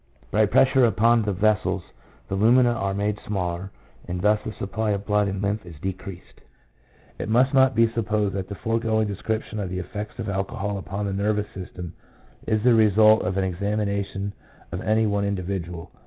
By pressure upon the vessels the lumina are made smaller, and thus the supply of blood and lymph is decreased. It must not be supposed that the foregoing descrip tion of the effects of alcohol upon the nervous system is the result of an examination of any one individual.